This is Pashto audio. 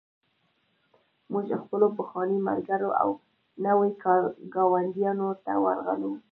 موږ خپلو پخوانیو ملګرو او نویو ګاونډیانو ته ورغلو